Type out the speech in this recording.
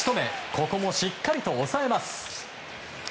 ここもしっかり抑えます。